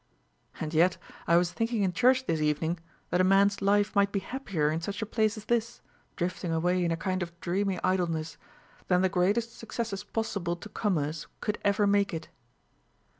"And yet I was thinking in church this evening, that a man's life might be happier in such a place as this, drifting away in a kind of dreamy idleness, than the greatest successes possible to commerce could ever make it."